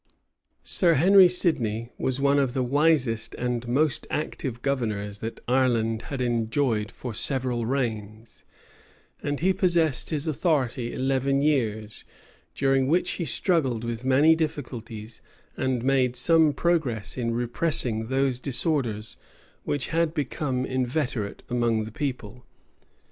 [] Sir Henry Sidney was one of the wisest and most active governors that Ireland had enjoyed for several reigns;[] and he possessed his authority eleven years; during which he struggled with many difficulties, and made some progress in repressing those disorders which had become inveterate among the people.